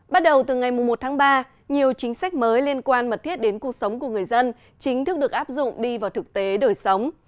bắt đầu từ ngày một tháng ba nhiều chính sách mới liên quan mật thiết đến cuộc sống của người dân chính thức được áp dụng đi vào thực tế đời sống